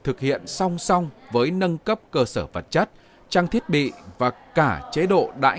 thực hiện song song với nâng cấp cơ sở vật chất trang thiết bị và cả chế độ đại